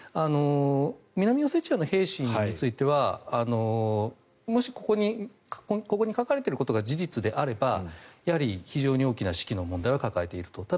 南オセチアの兵士についてはもしここに書かれていることが事実であれば非常に大きな士気の問題を抱えていると。